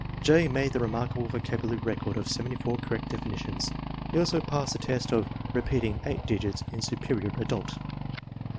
J. made the remarkable vocabulary record of 74 correct definitions. He also passed the test of repeat ing eight digits in Superior Adult.